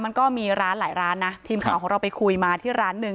มันก็มีร้านหลายร้านนะทีมข่าวของเราไปคุยมาที่ร้านหนึ่ง